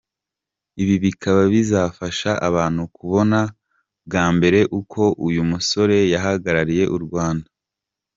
Ibi bikaba bizafasha abantu kubona bwa mbere uko uyu musore yahagarariye u Rwanda.